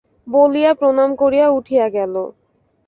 বলিয়া প্রণাম করিয়া উঠিয়া গেল।